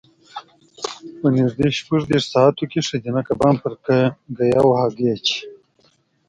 په نږدې شپږ دېرش ساعتو کې ښځینه کبان پر ګیاوو هګۍ اچوي.